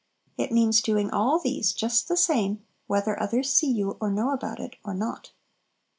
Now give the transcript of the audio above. It means doing all these just the same whether others see you or know about it or not.